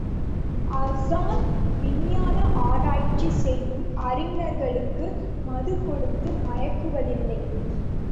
ஹாஸான், விஞ்ஞான ஆராய்ச்சி செய்யும் அறிஞர்களுக்கு மது கொடுத்து மயக்குவதில்லை.